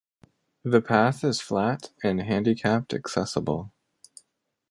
The path is flat and handicapped-accessible.